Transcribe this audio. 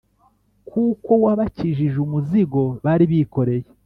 kuko wabakijije umuzigo bari bikoreye,